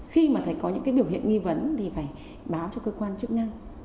khi mà thấy có những cái biểu hiện nghi vấn thì phải báo cho cơ quan chức năng